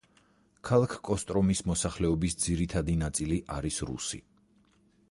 ქალაქ კოსტრომის მოსახლეობის ძირითადი ნაწილი არის რუსი.